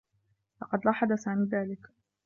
لقد لاحظ سامي ذلك.